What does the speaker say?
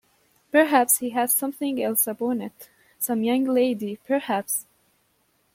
Perhaps he has something else upon it — some young lady, perhaps?